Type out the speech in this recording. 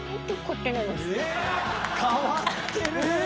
え⁉変わってる。